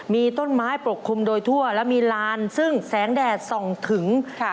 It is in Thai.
มีต้นไม้ปกคลุมโดยทั่วแล้วมีลานซึ่งแสงแดดส่องถึงค่ะ